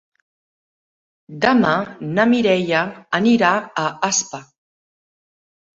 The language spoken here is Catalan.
Demà na Mireia anirà a Aspa.